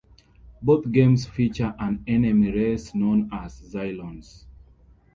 Both games feature an enemy race known as Zylons.